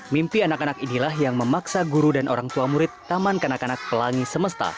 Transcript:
mimpi anak anak inilah yang memaksa guru dan orang tua murid taman kanak kanak pelangi semesta